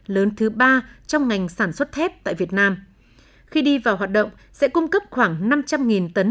lớn thứ ba trong ngành sản xuất thép tại việt nam khi đi vào hoạt động sẽ cung cấp khoảng năm trăm linh tấn